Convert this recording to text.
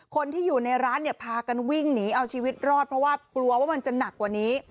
คนที่อยู่ในร้านเนี่ยพากันวิ่งหนีเอาชีวิตรอดเพราะว่ากลัวว่ามันจะหนักกว่านี้